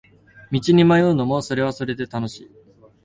道に迷うのもそれはそれで楽しい